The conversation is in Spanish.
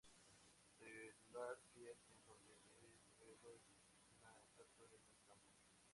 Cellular Field en donde de develó una estatua en el campo.